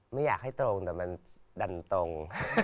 ไม่อยากให้ตรงแต่มันดันตรง